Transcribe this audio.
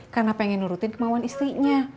karena pengen nurutin kemauan istrinya